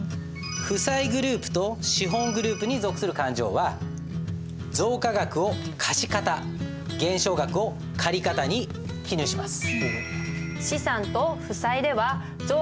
負債グループと資本グループに属する勘定は増加額を貸方減少額を借方に記入します。